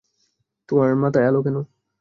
তোমার মাথায় আলো কেন?